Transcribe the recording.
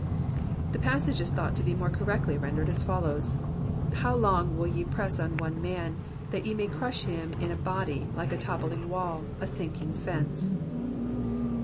The ijassage is thought to be more correctly rendered as follows :—How long will ye press on one man, that ye may crush him in a body, like a top pling wall, a sinking fence